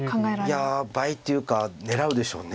いや場合っていうか狙うでしょう。